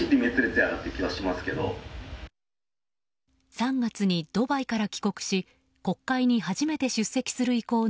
３月にドバイから帰国し国会に初めて出席する意向の